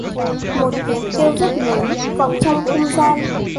Một tiếng kêu rất lớn vọng trong không gian